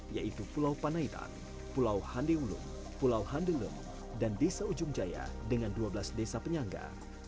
yaitu pulau panaitan pulau handeulung pulau handelum dan desa ujung jaya dengan dua belas desa penyangga